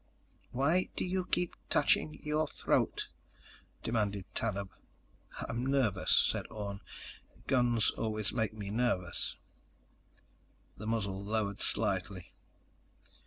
_ "Why do you keep touching your throat?" demanded Tanub. "I'm nervous," said Orne. "Guns always make me nervous." The muzzle lowered slightly.